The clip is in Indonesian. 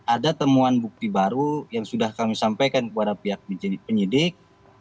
ada temuan bukti baru yang sudah kami sampaikan kepada pihak penyidik